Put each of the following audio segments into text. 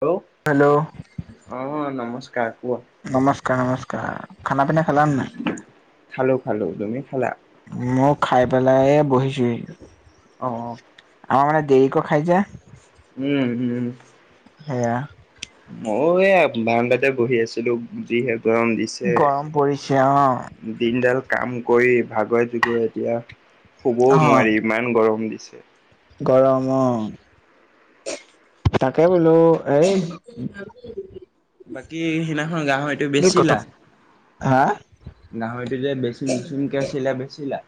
Hello hello অ নমস্কাৰ কোৱা নমস্কাৰ নমস্কাৰ খানা পিনা খেলা নে খালো খালো তুমি খালা নাই মই খাই পেলাইে বহিছোহি আহ আমাৰ মানে দেৰি উম উম সেয়া মই এ বাৰান্দাতে বহি আছিলোঁ যিহে গৰম দিছে গৰম পৰিছে অ', দিনডাল কাম কৰি ভাগৰে জগৰে এতিয়া শুবও অ', নোৱাৰি ইমান গৰম দিছে। গৰম তাকে বোলোখস্ক এই বাকী সেইদিনাখন গাহৰিটো এইটো এই কত বেচিলা হা গাহৰিটো যে বেচিম বেচিম কে আছিলা বেচিলা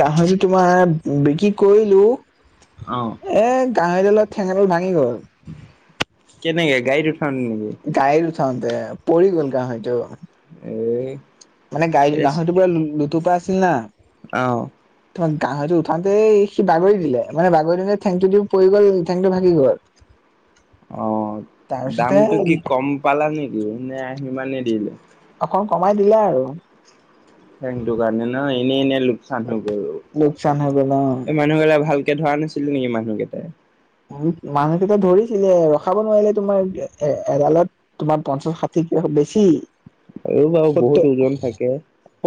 গাহৰিটো তোমাৰ বিক্ৰী কৰিলো অ এ গাহৰিডালত ঠেঙাডাল ভাঙি গ'ল কেনেকে গাড়ীত উঠাওঁ তে নেকি ওঠওঁতে পৰি গ'ল গাহৰিটো এ মানে গা, নেকি গাহৰিটো পুৰা লুতুপা আছিল অ না গাহৰিটো উঠাতে সি বাগৰি দিলে মানে, বাগৰি দিলে, ঠেংটো দি পৰি গ'ল ঠেংটো ভাগি গ'ল। অ, দামটো তাৰপিছতে কি কম পালা নেকি এনে সিমানেই দিলে। অকণ কমাই দিলে আৰু। সেইটো কাৰণে ন, এনে, এনে লোকচান হৈ লোকচান হৈ অ গ'ল মানুহবিলাক ভাল কে ধৰা নাছিলে নেকি, মানুহকেইটাই। উ, মানুহকেইটা ধৰিছিলে ৰখাব নোৱাৰিলে। তোমাৰ এ, এডালত তোমাৰ পঞ্চাশ, ষাঠিকে বেছি আৰু বাৰু বহুত সত, সত ওজন থাকে।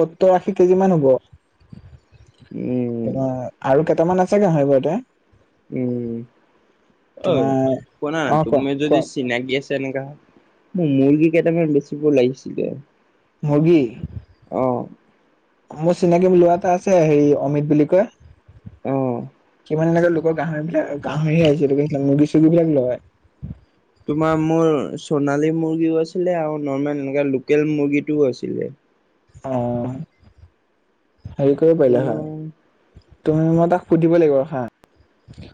সত্তৰ, আশী কেজি মান হ'ব। উম তোমাৰ আৰু বৰ্তামান আছে হয়, বাৰুতে উম, অ, শুনা অ কোৱা তুমি যদি কোৱা চিনাকি আছে তেনেকা মোৰ মুৰ্গী কেইটামান বেচিব লাগিছিলে। মুৰ্গী অ মোৰ চিনাকি ল'ৰা এটা আছে হেৰি অমিত বুলি কয়। আহ। কিমানকে লোকৰ গাহৰিবিলাক গাহৰি আহিছেকে মুৰ্গী, চৰ্গী বিলাক লয়। তোমাৰ মোৰ সোণালী মুৰ্গীও আছিলে আৰু নৰ্মেল এনে লোকেল মুৰ্গীটোও আছিলে। অ, হেৰি কৰিব পাৰিলা হয়। তোমাৰ তুমি মই তাক সুধিব লাগিব আৰু হা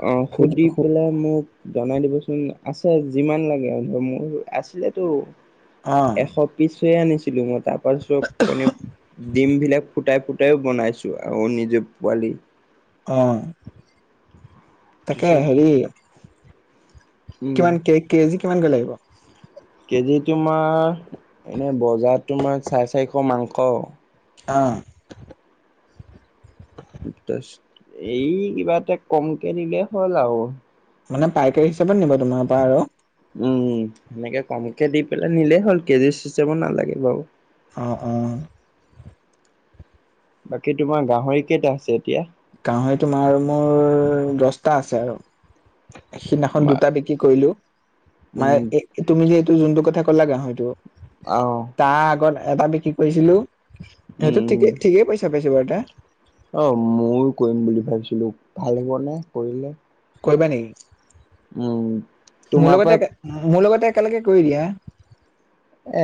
অ, সুধি পেলাই মোক জনাই দিবচোন। আছে যিমান লাগে, মোৰ আছিলেটো অ এশ পিছ আনিছিলো, মই তাৰ পাছত কণি, ডিমবিলাক ফুটাই, ফুটাইও বনাইছো আৰু নিজে পোৱালি অ'। তাকে তাৰপিছত হেৰি উম কিমান কে, কেজি কিমান লাগিব। [inaudible] কেজি তোমাৰ এনে বজাৰত তোমাৰ চাৰি, চাৰিশ মাংস অ'। এই কিবা এটা কমকে নিলে হ'ল আৰু। মানে পাইকাৰী হিচাপত নিব তোমাৰ পৰা আৰু। উম, সেনেকে কমকে দি পেলাই নিলেই হ'ল। কেজি চিষ্টেমো নালাগে বাৰু। অ', অ'। বাকী তোমাৰ গাহৰি কেইটা আছে এতিয়া। গাহৰি তোমাৰ মোৰ দছটা আছে আৰু। সিদিনাখন দুটা বিক্ৰী কৰিলো মানে উম এ, তুমি যে যোনটো কথা ক'লা হয়তটো আহ তাৰ আগত এটা বি, কি কৰিছিলো। উম সেইটো উম ঠিকেই, ঠিকেই পইচা পাইছো বাৰু তে। অ, ময়ো কৰিম বুলি ভাবিছিলো ভাল হ'বনে কৰিলে। কৰিবা নেকি, উম, মোৰ তোমাৰ পৰা লগতে, মোৰ লগতে ততে একেলগে কৈ দিয়া।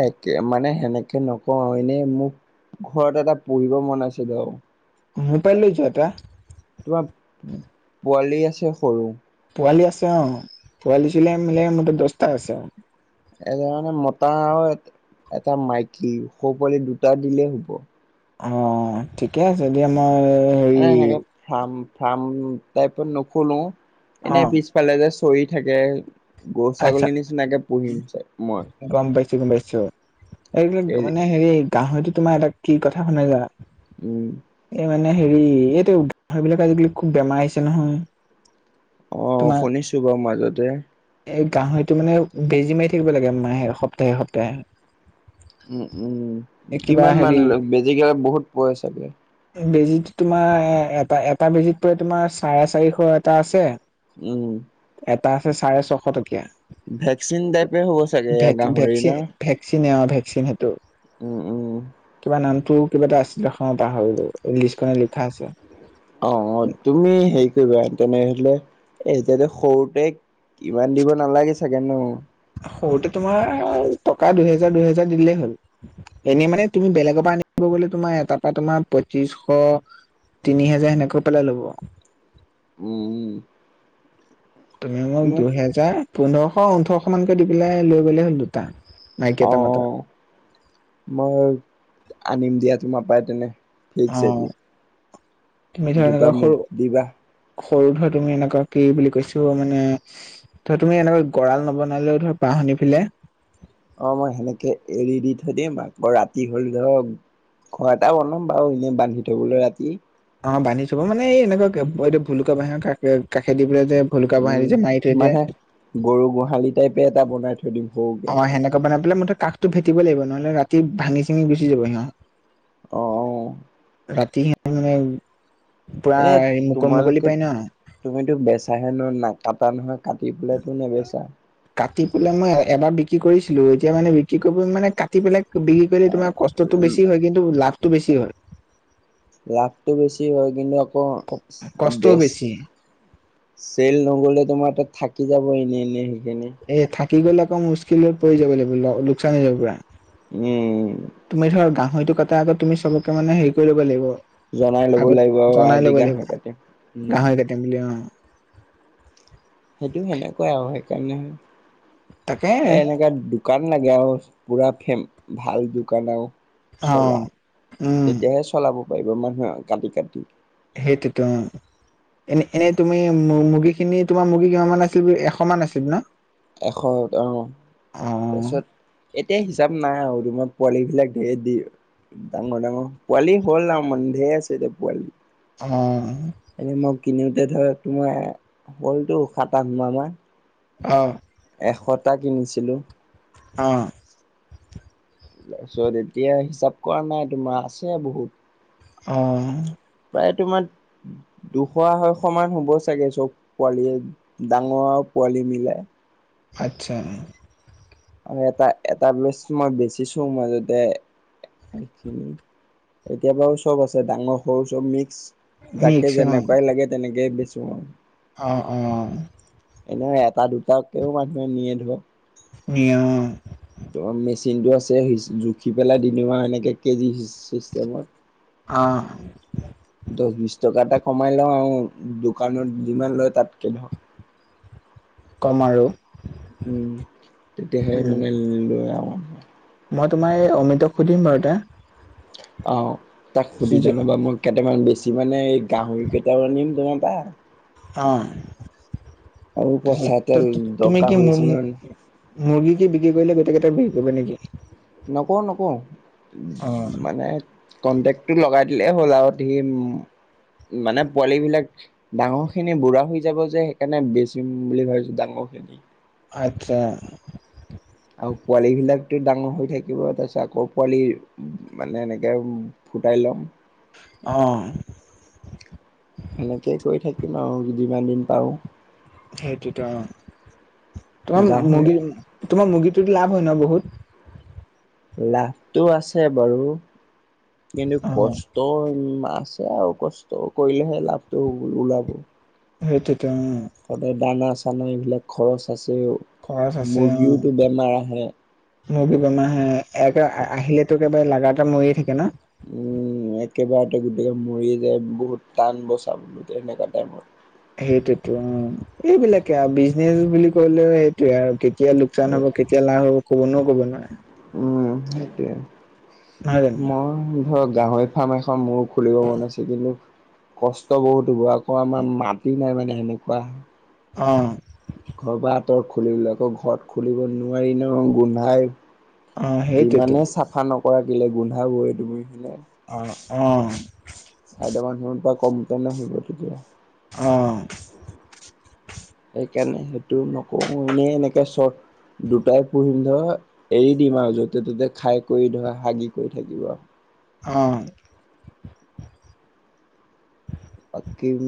একে মানে সেনেকে নকওঁ এনেই মোক ঘৰত এটা পঢ়িব মন আছিল। মমি পাই লৈ যোৱা ত তোমাৰ পোৱালি আছে সৰু পোৱালি আছে অ, পোৱালি চিলাই ম, মো, দস্তটা আছে অ'। এ, মানে মতা আৰু এটা মাইকী ও, সৰু পোৱালি দুটা দিলেই হুব। অ, ঠিকে আছে দিয়া মই হেৰি সেনেকে ফ, ফ, তাইপ নুখোলো অ এনে পিছফালে কৰি থাকে। গৰু, আচ্ছা ছাগলীৰ নিচিনাকে পুহিম চ, মই। গম পাইছো গম পাইছো এইবিলাক এৰি মানে হেৰি গাহৰিতো তোমাৰ এটা কি কথা শুনাই জা উম' মানে হেৰি এইটো সেইবিলাক আজিকালি খুব বেমাৰ আহিছে নহয়। অ' তোমাৰ শুনিছো বাৰু মাজতে এই গাহৰিটো মানে বেজী মাৰি থাকিব লাগে মাহে সপ্তাহে সপ্তাহে উম উম এই কিবা কিমান মান হেৰি বেজি কেইতা বহুত পৰে চাগে বেজীটো তোমাৰ এ-এটা-এটা বেজিত পৰে তোমাৰ চাৰে চাৰিশ এটা আছে। উম' এটা আছে চাৰে ছশ টকীয়া ভেকচিন টাইপে হ'ব চাগে গাহৰি ন ভেক-ভেকচিন-ভেকচিনে অ ভেকচিন সেইটো উম উম। কিবা নামটো কিবা এটা আছিলে সম্ভৱ পাহৰিলো লিষ্টখনত লিখা আছে। অ অ তুমি হেৰি কৰিবা তেনেহলে এতিয়াতো সৰুতে ইমান দিব নালাগে চাগে ন সৰুতে তোমাৰ টকা দুহেজাৰ দুহেজাৰ দিলেই হ'ল এনেই মানে তুমি বেলেগৰ পৰা আনিলে গ'লে তোমাৰ এটাৰপা তোমাৰ পঁইত্ৰিছ শ তিনি হেজাৰ সেনেকে পেলাই ল'ব উম উম। তুমি মোক দুহেজাৰ, পোন্ধৰশ, ওঠৰশ মানকৈ দি পেলাই লৈ গলে হ'ল দুটা। মাইকী অ এটা মতা মই আনিম দিয়া তোমাৰ পাই তেনে অ ফিকচ এইটো তুমি ধৰা দুটা এনেকুৱা মোক সৰু দিবা সৰু ধৰা তুমি এনেকুৱা কি বুলি কৈছো মানে ধৰা তুমি এনেকুৱা গঁৰাল নবনালেও ধৰা বাহ [unintelligible] অ মই সেনেকে এৰি দি থৈ দিম, আকৌ ৰাতি হ'লে ধৰক ঘৰ এটা বনাম বাও, এনেই বান্ধি থবলৈ ৰাতি। অ বান্ধি থব মানে এই এনেকুৱা এইটো ভলুকা বাঁহৰ কাষে দি পেলায় উম মানে গৰু গোহালি টাইপে এটা বনাই থৈ দিম অ সৰুকে। সেনেকুৱা বনাই পেলাই মুঠতে কাষটো ভেটিবই লাগিব ন'হলে ৰাতি ভাঙি চিঙি গুচি যাব সিহঁত। অ' ৰাতি সিহঁতে মানে পুৰা এনে মুকলি মুকলি তোমালোকে পাই ন তুমিতো বেচাহে ন, নাকটা নহয়? কাটি পেলাইটো নেবেচা? কাটি পেলাই মই এবাৰ বিক্ৰী কৰিছিলোঁ, এতিয়া মানে বিক্ৰী কৰিব মানে কাটি পেলাই বিক্ৰী কৰিলে এ তোমাৰ কষ্টটো বেছি হয়, কিন্তু লাভটো বেছি হয়। লাভটো বেছি হয় কিন্ত আকৌ কষ্টও [unintelligible] বেছি চেল ন'গলে তোমাৰ তাত থাক থাকি যাব ইনে ইনেই সেইখিনি [unintelligible] গ'লে আকৌ মুস্কিলত পৰি যাব লাগিব, লোকচান হৈ যাব পুৰা। উম' হয়টো কটা আগত তুমি চবকে মানে হেৰি কৰি ল'ব লাগিব জনাই ল'ব আগত লাগিব আৰু জনাই আজি ল'ব লাগিব, গাহৰি কাটিম উম গাহৰি কাটিম বুলি অ'। সেইটো সেনেকুৱাই আও সেইকাৰণে, তাকে এ এনেকা দোকান লাগে আও। পুৰা ফেম ভাল দোকান আও অ চলা, উম তেতিয়াহে চলাব পাৰিব মানুহে আও কাটি কাটি সেইটোটো এনে এনেই তুমি মু-মু-মুৰ্গীখিনি তোমাৰ মুৰ্গী কিমানমান আছিল বুলি এশ মান আছিল ন? এশ, অ অ তাৰপিছত এতিয়া হিচাপ নাই আৰু [unintelligible] পোৱালি বিলাক [unintelligible] ডাঙৰ ডাঙৰ, পোৱালি হ'ল আও, মানে ঢেৰ আছে এতিয়া পোৱালি। অ'। এনে মই কিনোতে ধৰা তোমাৰ হ'লটো সাত আঠ মাহমান। অ'। কঠা কিনিছিলো। অ'। তাৰপিছত এতিয়া হিচাপ কৰা নাই তোমাৰ আছে বহুত। অ'। প্ৰায় তোমাৰ দুশ আঢ়ৈশ মান হ'ব চাগে চব পোৱালীয়ে। ডাঙৰ পোৱালি মিলাই। আচ্ছা। আৰু এটা এটা বেছ মই বেচিছো মাজতে। [unintelligible] এতিয়া বাৰু চব আছে ডাঙৰ সৰু চব মিক্স। যাকে মিক্সন যেনেকুৱাই লাগে তেনেকেই বেচো আওঁ। অ', অ'। এনেও এটা দুটাকেও মানুহে নিয়ে ধৰক। নিয়ে অ'। ত' মেচিনটো আছে জুখি পেলাই দি দিওঁ আওঁ এনেকে কেজি চিষ্টেমত। অহ। ত' বিছ টকা এটা কমাই লওঁ আওঁ দোকানত যিমান লয় তাতকৈ ধৰক। কম আৰু। উম, তেতিয়াহে উম মানে লয় আৰু। মই তোমাৰ এই অমিতক সুধিম বাৰু এটা। অ', তাক সি সুধি যে জনাবা মই কেইটামান বেছি মানে এই গাহৰি কেইটাও আনিম পৰা। অ'। আৰু তাৰ পইচা এটা পিছতত তুমি দৰকাৰ কি হৈছিলে মুৰ্গী কি বিক্ৰী কৰিলে কেইটা বেৰি কৰিব নেকি? নকওঁ নকওঁ অ মানে কন্টেক্টটো লগাই দিলে হ'ল আৰু মানে পোৱালিবিলাক ডাঙৰখিনি বুঢ়া হৈ যাব যে সেইকাৰণে বেচিম বুলি ভাবিছো ডাঙৰ খিনি। আচ্ছা। আৰু পোৱালিবিলাকতো ডাঙৰ হৈ থাকিব। তাৰপিছত আকৌ পোৱালি মানে এনেকৈ ফুটাই ল'ম। অ সেনেকেই কৈ থাক আৰু যিমান দিন পাৰোঁ। সেইটোতো আৰু তোমাৰ গাহৰি মুৰ্গী তোমাৰ মুৰ্গীটো লাভ হয় ন বহুত। লাভটো আছে বাৰু কিন্তু অ কষ্ট আছে আৰু কষ্ট কৰিলেহে লাভটো হ'ব ওলাব। সেইটতো উম। সদায় দানা চানা এইবিলাক খৰচ আছে। খৰচ মুৰ্গীওতো বেমাৰ আহে। মূৰ্গী বেমাৰে একে আহিলেতো একেবাৰে লাগা এটা মৰিয়ে থাকে ন। উম। একেবাৰতে গোটকে মৰিয়ে যায় বহুত টান বচাব এনেকুৱা টাইমত। সেইটোতো অ' এইবিলাকে আৰু বিজনেচ বুলি কলেও সেইটোয়ে আৰু। কেতিয়া লোকাচান হ'ব কেতিয়া লাভ হ'ব কোনেও ক'ব নোৱাৰে। উম, সেইটয়ে নহয় জানো মই ধৰ গাহৰি ফাৰ্ম এখন মোৰ খুলিব মন আছিলে। কিন্তু কষ্ট বহুত হ'ব আকৌ আমাৰ মাটি নাই মানে সেনেকুৱা। অ'। ঘৰৰ পা আঁতৰত খুলিবলৈ আকৌ ঘৰত খুলিব নোৱাৰি ন গোন্ধাই। অ সেইটোতো যিমানে চাফা নকৰা কেইলে গোন্ধাবৈ [unintelligible] অ', অ'। চাইডৰ মানুহৰ পৰা কমপ্লেইন আহিব তেতিয়া। অ' [inaudible] সেইকাৰণে সেইটো নকওঁ, এনেই এনেকে চট দুটাই পুহিম ধৰ, এৰি দিম আৰু য'তে ত'তে খাই কৰি ধৰ হাগি কৰি থাকিব আৰু। অ' [inaudible] অকিম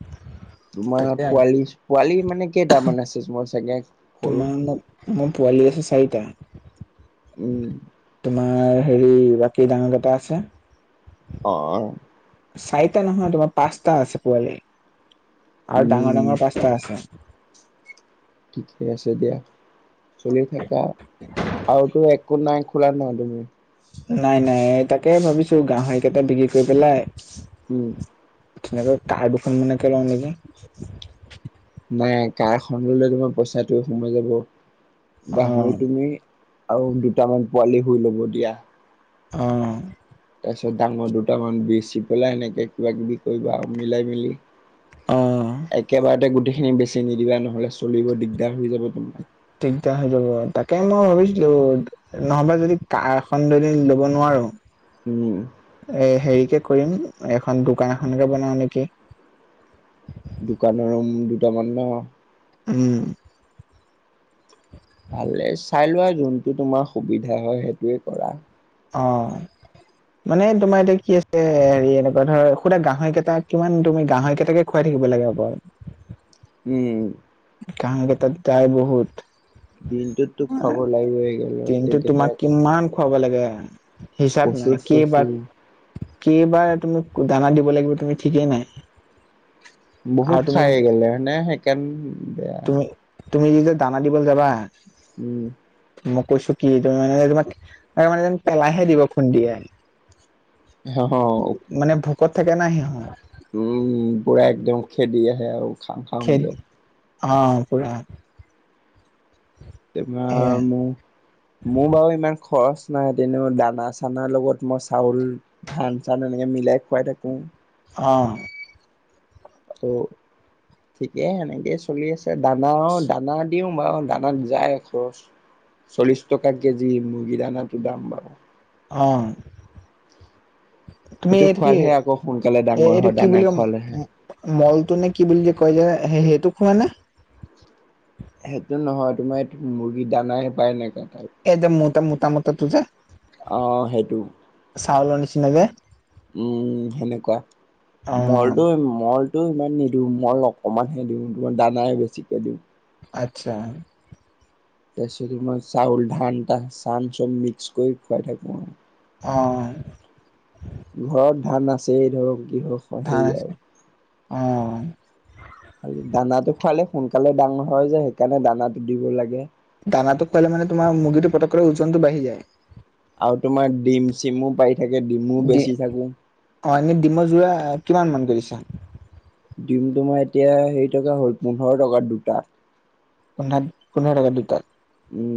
[inaudible] তোমাৰ আৰু পোৱালি পোৱালি মানে কেইটামান আছে, মই চাগে সৰু। তোমাৰ মোক [unintelligible] চাৰিটা। উম। তোমাৰ হেৰি বাকী ডাঙৰ কেইটা আছে? অ'। চাৰিটা নহয় তোমাৰ পাঁচটা আছে পোৱালি। আৰু ডাঙৰ উম ডাঙৰ পাঁচটা আছে। [unintelligible] ঠিকে আছে দিয়া, চলি থাকা। আৰুতো একো নাই ক শুলা নাই তুমি? নাই নাই এ তাকে ভাবিছোঁ, গাহৰিকেইটা বিক্ৰী কৰি পেলাই উম। ধুনিয়াকে কাৰ দুখনমানকে লওঁ নেকি। নাই কাৰখন ল'লে তোমাৰ পইচাটো সোমাই যাব, অ গাহৰি তুমি আৰু দুটামান পোৱালি হৈ ল'ব দিয়া। অ'। তাৰপিছত ডাঙৰ দুটামান বেচি পেলাই এনেকে কিবা কিবি কৰিবা আৰু মিলাই মেলি। অ অ একেবাৰতে গোটেইখিনি বেছি নিদিবা ন'হলে চলিব দিগদাৰ হৈ যাব তোমাৰ। দিগদাৰ হৈ যাব, তাকে মই ভাবিছিলো নহবা যদি কাৰ এখন যদি লব নোৱাৰোঁ। উম এ, হেৰিকে কৰিম এখন দোকান এখনকে বনাওঁ নেকি। দোকান ৰোম দুটামান ন। উম। ভালেই, চাই লোৱা যোনটো তোমাৰ সুবিধা হয় সেইটোৱে কৰা। অ'। মানে তোমাৰ এতিয়া কি আছে হেৰি এনেকুৱা ধৰ সুধা গাহৰি কেইটাক কিমান তুমি গাহৰি কেইটাকে খুৱাই থাক থাকিব লাগে অকল। উম। ঘাহঁকেইটাত যায় বহুত। দিনটোততো খুৱাব লাগিবই [inaudible] একেলগে দিনটোত তেতিয়াহে তোমাৰ আকৌ কিমান খোৱাব লাগে। হিচাপ কচু নাই চচু কেইবাৰ, কেইবাৰ তুমি দানা দিব লাগিব তুমি ঠিকেই নাই। আৰু বহুত তুমি খাই গলে সেইকাৰন তুমি [unintelligible] তুমি যেতিয়া দানা দিবলে যাবা। উম। মই কৈছোঁ কি তুমি মানে তোমাক, মানে যেন পেলাইহে দিব খুন্দিয়াই। [inaudible] কত থাকে না সিহঁত। উম, পুৰা একদম খেদি আহে আৰু খাওঁ খেদ খাওঁকে। অ', পুৰা। তাপা সেয়াই মো, মোৰ বাৰু ইমান খৰচ নাই তেনেকুৱা দানা চানাৰ লগত মই চাউল, ধান চান এনেকে মিলাই খোৱাই থাকোঁ। অ'। [unintelligible] ঠিকেই সেনেকেই চলি আছে, দানা, দানা দিওঁ বাৰু দানাত যায় খৰচ চল্লিশ টকা কেজি মুৰ্গী দানাটো দাম বাৰু। অ'। তুমি সেইটো এইটো কি খোৱালহে আকৌ শু এ, এইটো কি বুলি ক, মলটো নে কি বুলি যে কয় যে দুখোৱানে সেইটো নহয়, তোমাৰ এই মুৰ্গী দানাহে পায় সেনেকে। এ, যে, ম, ত, ম, ত মতে তু, যে আহ, সেইটো। চাউলৰ নিচিনাকে। উম, সেনেকুৱা অ মৰটো মৰ ত, ইমান নিদিওঁ মই অকমান হে দিওঁ। তই দানাই বেছিকে দিওঁ। আচ্ছা। তাৰ পিছত মই চাউল, ধান ত, চান চব মিক্স কৰি খুৱাই থাকো আৰু। অ'। ঘৰত ধান আছে, ধৰক কিহ ধান সেই আছে আৰু। অ খাল দানাটো খোৱালে সোনকালে ডাঙৰ হয় যে সেইকাৰণে দানাটো দিব লাগে। দানাটোক খোৱালে মানে তোমাৰ মুৰ্গীটো পতকৈৰে ওজনটো বাঢ়ি যায়। আৰু তোমাৰ ডিম, চিমো পাই। দি, অ, এনেই ডিম যোৰা কিমান মান কৰিছা। দিম তোমাৰ এতিয়া হেৰি টকা হ'ল পোন্ধৰ টকা দুটা। পন, পোন্ধৰ টকাত দুতা। উম।